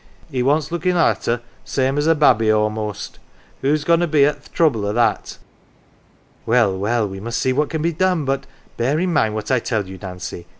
" He wants look in' arter same as a babby a'most. Who's goin' to be at th' trouble o' that?" " Well, well, we must see what can be done but bear in mind what I tell you, Nancy.